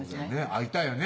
会いたいよね